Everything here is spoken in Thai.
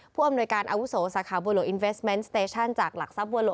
ผู้อำนวยการอาวุโสสาขาบัวหลวงอินเวสเมนต์สเตชั่นจากหลักทรัพย์บัวหลวง